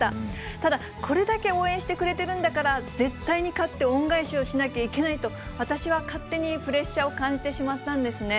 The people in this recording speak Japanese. ただ、これだけ応援してくれてるんだから絶対に勝って恩返しをしなきゃいけないと、私は勝手にプレッシャーを感じてしまったんですね。